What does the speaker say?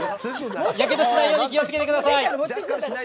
やけどしないように気をつけてください！